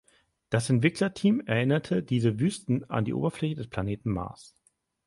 Das Entwicklerteam erinnerte diese Wüsten an die Oberfläche des Planeten Mars.